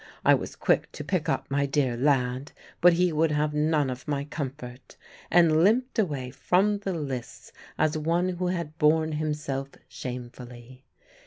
I was quick to pick up my dear lad; but he would have none of my comfort, and limped away from the lists as one who had borne himself shamefully.